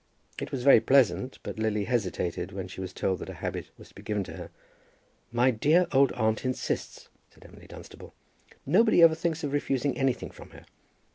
It was very pleasant, but Lily hesitated when she was told that a habit was to be given to her. "My dear old aunt insists," said Emily Dunstable. "Nobody ever thinks of refusing anything from her.